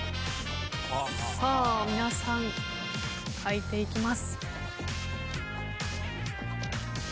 皆さん書いていきます。